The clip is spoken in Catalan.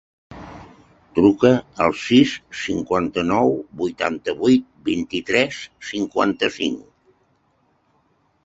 Truca al sis, cinquanta-nou, vuitanta-vuit, vint-i-tres, cinquanta-cinc.